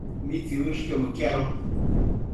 ¿mitsiuëshquio mëquiado?